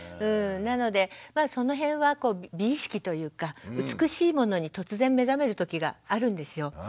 なのでその辺は美意識というか美しいものに突然目覚める時があるんですよ。